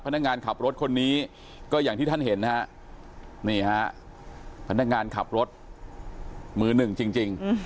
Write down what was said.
พนักงานขับรถคนนี้ก็อย่างที่ท่านเห็นนะฮะนี่ฮะพนักงานขับรถมือหนึ่งจริง